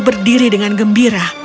dia berdiri dengan gembira